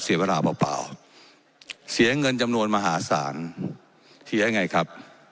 เสียเวลาเปล่าเปล่าเสียเงินจำนวนมหาศาลเสียยังไงครับ